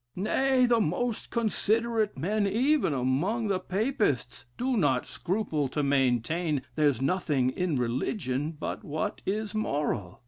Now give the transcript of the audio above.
"Nay, the most considerate men, even among the Papists, do not scruple to maintain there's nothing in religion but what is moral.